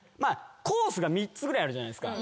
コースが３つぐらいあるじゃないですか。